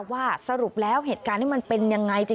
สรุปแล้วเหตุการณ์นี้มันเป็นยังไง